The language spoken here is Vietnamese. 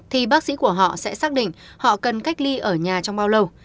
thì bác sĩ của họ sẽ xác định họ cần cách ly ở nhà trong bao lâu